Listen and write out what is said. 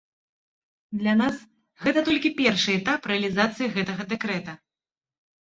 Для нас гэта толькі першы этап рэалізацыі гэтага дэкрэта.